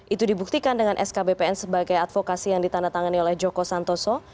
itu dibuktikan dengan skbpn sebagai advokasi yang ditandatangani oleh joko santoso